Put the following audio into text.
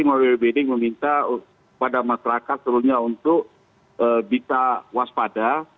mawir beding meminta pada masyarakat seluruhnya untuk kita waspada